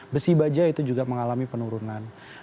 besi baja itu juga mengalami penurunan